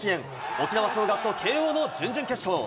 沖縄尚学と慶応の準々決勝。